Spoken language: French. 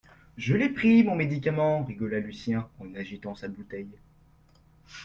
Je l’ai pris, mon médicament, rigola Lucien, en agitant sa bouteille